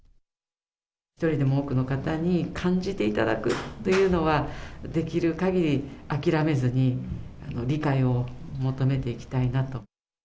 一人でも多くの方に感じていただくというのは、できるかぎり諦めずに理解を求めていきたいなと。